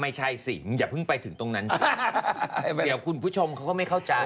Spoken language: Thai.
ไม่ใช่สิงอย่าเพิ่งไปถึงตรงนั้นเดี๋ยวคุณผู้ชมเขาก็ไม่เข้าใจ